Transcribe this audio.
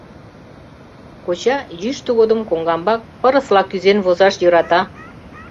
Коча йӱштӧ годым коҥгамбак пырысла кӱзен возаш йӧрата.